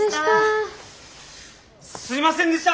すいませんでした！